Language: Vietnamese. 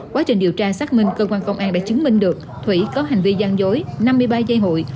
quá trình điều tra xác minh cơ quan công an đã chứng minh được thủy có hành vi gian dối năm mươi ba dây hụi